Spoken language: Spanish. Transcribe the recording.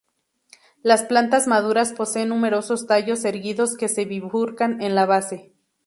Las plantas maduras poseen numerosos tallos erguidos que se bifurcan en la base.